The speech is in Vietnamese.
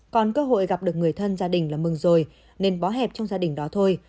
còn cơ hội gặp được người thân gia đình là mừng rồi nên bó hẹp trong gia đình đó thôi